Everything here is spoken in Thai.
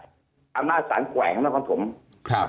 โซเชียลที่ประชาชนติดตามกันค่อนข้างมากนะครับ